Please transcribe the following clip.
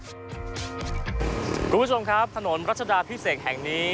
คุณผู้ชมครับถนนรัชดาพิเศษแห่งนี้